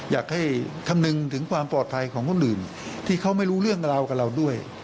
อยากให้คำนึงถึงความปลอดภัยของคนอื่นที่เขาไม่รู้เรื่องราวกับเราด้วย